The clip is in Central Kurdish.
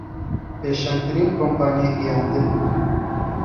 پێشەنگترین کۆمپانیای گەیاندن بوو